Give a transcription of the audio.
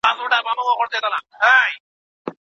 د ټولنیزو علومو څېړنه له چاپېریال سره تړلې ده.